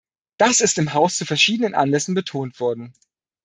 Das ist im Haus zu verschiedenen Anlässen betont worden.